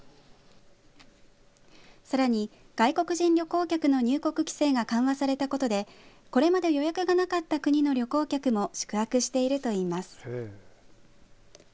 さらに、外国人旅行客の入国規制が緩和されたことでこれまで予約がなかった国の旅行客も宿泊しているといいます。